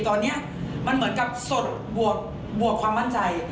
ตอนนี้มันเหมือนกับสดบวกความมั่นใจ